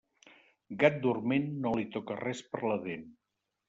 Gat dorment, no li toca res per la dent.